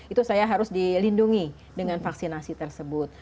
itu saya harus dilindungi dengan vaksinasi tersebut